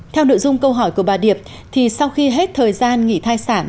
theo nội dung câu hỏi của bà điệp thì sau khi hết thời gian nghỉ thai sản